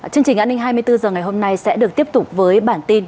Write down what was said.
chương trình an ninh hai mươi bốn h ngày hôm nay sẽ được tiếp tục với bản tin